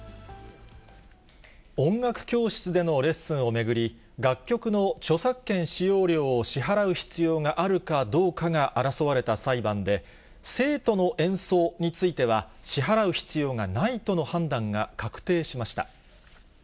音楽教室でのレッスンを巡り、楽曲の著作権使用料を支払う必要があるかどうかが争われた裁判で、生徒の演奏については支払う必要がないとの判断が確定しました。